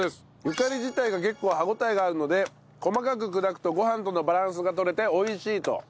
ゆかり自体が結構歯応えがあるので細かく砕くとご飯とのバランスが取れて美味しいと。